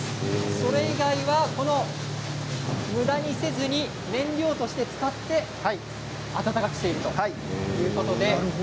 それ以外はむだにせずに燃料として使って暖かくしているということで。